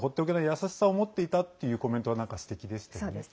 優しさを持っていたというコメントが、すてきでしたよね。